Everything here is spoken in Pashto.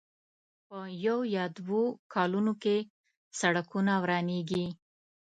په يو يا دوو کلونو کې سړکونه ورانېږي.